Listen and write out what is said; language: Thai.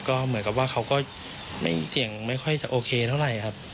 ก็เหมือนกับว่าเขาก็เสียงไม่ค่อยจะโอเคเท่าไหร่ครับ